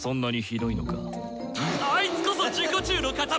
あいつこそ自己中の塊！